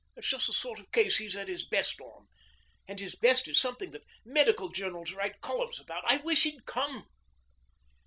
It's just the sort of case he's at his best on and his best is something the medical journals write columns about. I wish he'd come.'